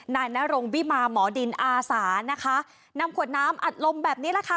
นายนรงวิมาหมอดินอาสานะคะนำขวดน้ำอัดลมแบบนี้แหละค่ะ